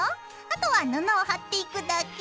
あとは布を貼っていくだけ。